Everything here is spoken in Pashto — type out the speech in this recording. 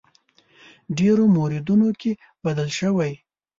ډېرو موردونو کې بدل شوی.